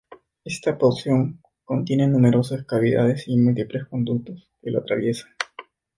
Esta porción contiene numerosas cavidades y múltiples conductos que lo atraviesan.